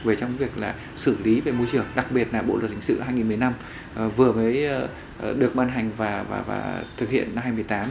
về trong việc là xử lý về môi trường đặc biệt là bộ luật hình sự hai nghìn một mươi năm vừa mới được ban hành và thực hiện năm hai nghìn một mươi tám